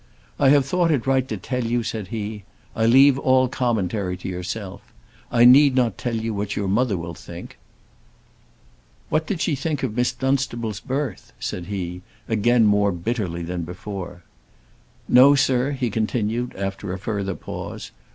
"I have thought it right to tell you," said he. "I leave all commentary to yourself. I need not tell you what your mother will think." "What did she think of Miss Dunstable's birth?" said he, again more bitterly than before. "No, sir," he continued, after a further pause.